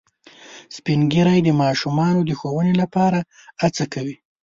سپین ږیری د ماشومانو د ښوونې لپاره هڅې کوي